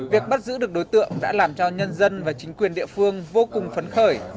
việc bắt giữ được đối tượng đã làm cho nhân dân và chính quyền địa phương vô cùng phấn khởi